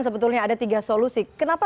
sebetulnya ada tiga solusi kenapa